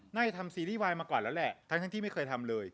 น่าจะทำซีรีส์วายมาก่อนแล้วแหละทั้งที่ไม่เคยทำเลย